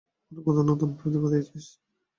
আবার কোন নতুন বিপত্তি বাঁধিয়েছিস?